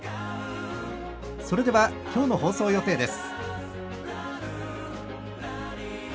それではきょうの放送予定です。